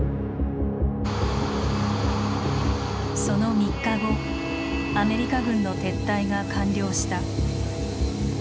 その３日後アメリカ軍の撤退が完了した。